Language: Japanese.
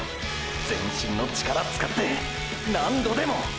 全身の力使って何度でも！！